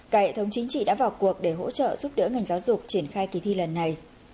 cả hệ thống chính trị đã vào cuộc để hỗ trợ giúp đỡ ngành giáo dục triển khai kỳ thi lần này